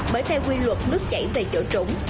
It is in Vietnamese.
bởi theo quy luật nước chảy về chỗ trũng